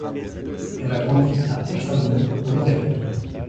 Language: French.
Elle a grandi à Pont-Salomon, en Auvergne.